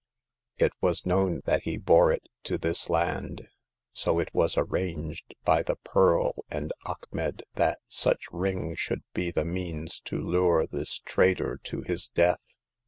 It was known that he bore it to this land, so it was arranged by the Pearl and Achmet that such ring should be the means to lure this traitor to his death.